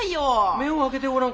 目を開けてごらん